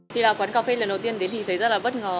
thì là quán cà phê lần đầu tiên đến thì thấy rất là bất ngờ